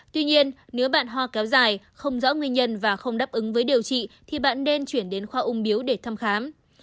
tuy nhiên nếu bạn ho kéo dài không rõ nguyên nhân và không đáp ứng với điều trị thì bạn nên chuyển đến khoa ung biếu để thăm khám